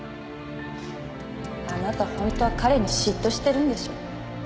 あなた本当は彼に嫉妬してるんでしょ。